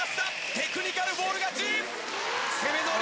テクニカルフォール勝ち！